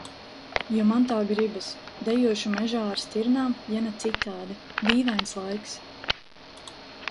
Jo man tā gribas. Dejošu mežā ar stirnām, ja ne citādi. Dīvains laiks.